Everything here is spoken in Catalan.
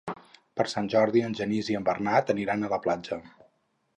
Per Sant Jordi en Genís i en Bernat aniran a la platja.